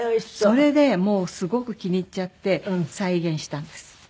それでもうすごく気に入っちゃって再現したんです。